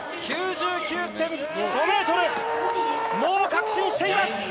９９．５ｍ、もう確信しています。